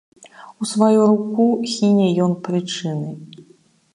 У сваю руку хіне ён прычыны.